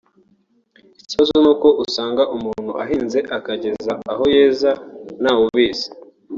Ikibazo ni uko usanga umuntu ahinze akageza aho yeza ntawe ubizi